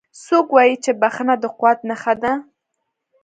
څوک وایي چې بښنه د قوت نښه ده